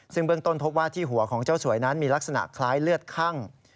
ซึ่งเบื้องต้นพบว่าที่หัวของเจ้าสวยนั้นมีลักษณะคล้ายเลือดคั่ง